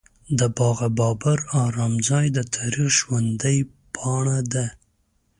د باغ بابر ارام ځای د تاریخ ژوندۍ پاڼه ده.